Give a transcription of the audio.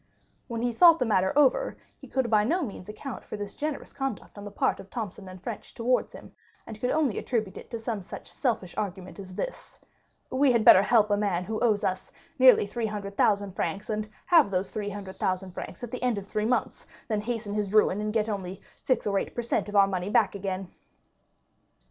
When he thought the matter over, he could by no means account for this generous conduct on the part of Thomson & French towards him; and could only attribute it to some such selfish argument as this: "We had better help a man who owes us nearly 300,000 francs, and have those 300,000 francs at the end of three months than hasten his ruin, and get only six or eight per cent of our money back again."